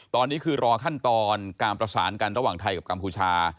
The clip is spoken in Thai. ตอนนี้คือรอขั้นตอนการประสานกันระหว่างไทยกับกัมพูชา